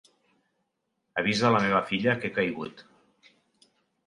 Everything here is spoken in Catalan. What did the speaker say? Avisa a la meva filla que he caigut.